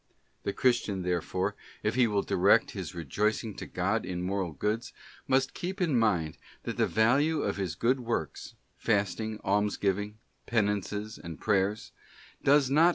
The Christian, therefore, if he will direct his rejoicing to God in moral goods, must keep in mind, that the value of his good works, fasting, almsgiving, penances, and prayers, does not * S.